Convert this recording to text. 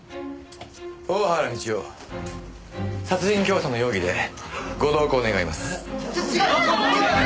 大原美千代殺人教唆の容疑でご同行願います。